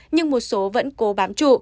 nhưng một số vẫn cố bám trụ